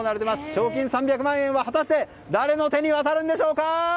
賞金３００万円は誰の手に渡るんでしょうか？